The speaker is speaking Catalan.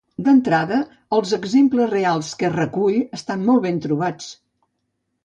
D'entrada, els exemples reals que recull estan molt ben trobats.